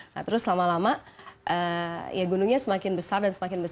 nah terus lama lama ya gunungnya semakin besar dan semakin besar